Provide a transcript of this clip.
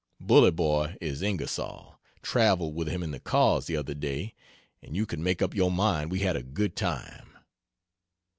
Bully boy is Ingersoll traveled with him in the cars the other day, and you can make up your mind we had a good time.